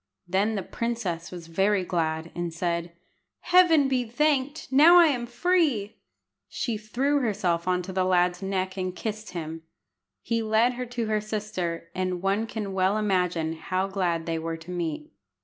Then the princess was very glad, and said "Heaven be thanked! Now I am free!" She threw herself on the lad's neck and kissed him. He led her to her sister, and one can well imagine how glad they were to meet.